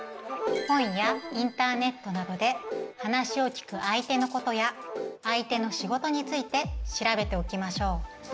本やインターネットなどで話を聞く相手のことや相手の仕事について調べておきましょう。